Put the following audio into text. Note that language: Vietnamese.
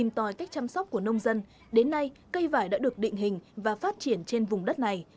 tòi cách chăm sóc của nông dân đến nay cây vải đã được định hình và phát triển trên vùng đất này